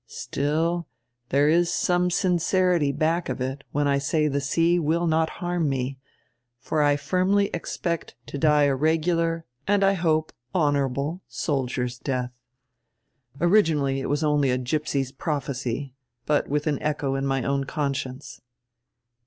Still, there is some sin cerity back of it when I say the sea will not harm me, for I firmly expect to die a regular, and I hope honorable, sol dier's death. Originally it was only a gypsy's prophesy, but with an echo in my own conscience."